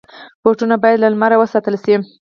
بوټونه باید له لمره وساتل شي.